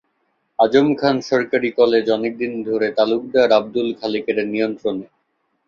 আযম খান সরকারি কলেজ অনেক দিন ধরে তালুকদার আবদুল খালেকের নিয়ন্ত্রণে।